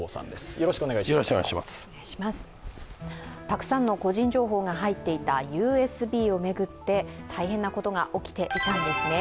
たくさんの個人情報が入っていたＵＳＢを巡って大変なことが起きていたんですね。